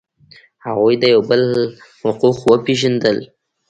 هغوی د یو بل حقوق پیژندل.